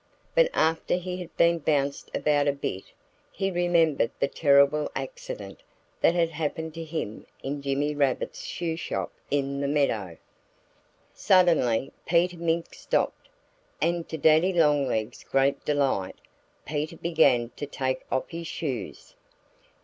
But after he had been bounced about a bit he remembered the terrible accident that had happened to him in Jimmy Rabbit's shoe shop in the meadow. Suddenly Peter Mink stopped. And to Daddy Longlegs' great delight Peter began to take off his shoes.